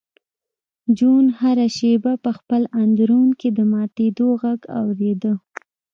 جون هره شېبه په خپل اندرون کې د ماتېدو غږ اورېده